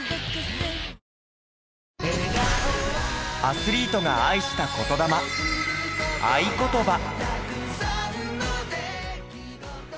アスリートが愛した言魂『愛ことば』。